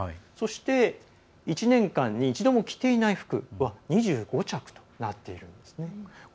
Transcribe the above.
そして、１年間に一度も着ていない服は２５着となっているんですね。